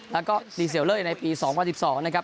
แล้วก็ดีเซลเล่ในปี๒๐๑๒นะครับ